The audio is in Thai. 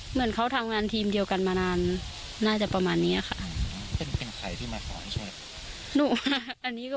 เหมือนเขาทำงานทีมเดียวกันมานานน่าจะประมาณนี้ค่ะ